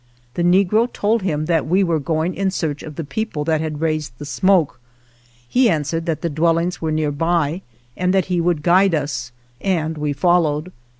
The negro told him that we were going in search of the people that had raised the smoke. He answered that the dwellings were nearby and that he would guide us, and we followed.